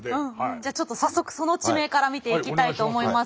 じゃあちょっと早速その地名から見ていきたいと思います。